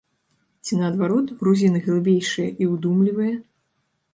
Ці, наадварот, грузіны глыбейшыя і ўдумлівыя?